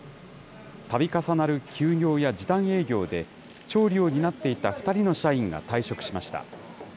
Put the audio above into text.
たび重なる休業や時短営業で、調理を担っていた２人の社員が退職しました。